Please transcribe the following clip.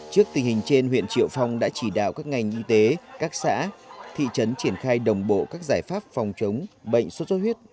trước tình hình trên huyện triệu phong đã chỉ đạo các ngành y tế các xã thị trấn triển khai đồng bộ các giải pháp phòng chống bệnh sốt xuất huyết